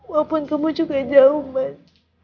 walaupun kamu juga jauh mbak